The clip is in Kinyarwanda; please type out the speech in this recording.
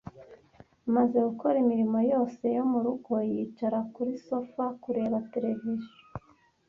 Amaze gukora imirimo yose yo mu rugo, yicara kuri sofa kureba televiziyo.